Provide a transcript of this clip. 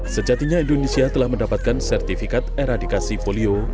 sejatinya indonesia telah mendapatkan sertifikat eradikasi polio